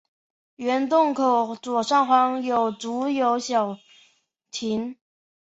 原洞口左上方有竹有小亭。